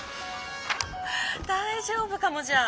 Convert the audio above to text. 大丈夫かもじゃあ！